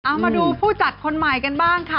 เอามาดูผู้จัดคนใหม่กันบ้างค่ะ